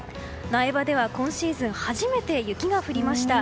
苗場では今シーズン初めて雪が降りました。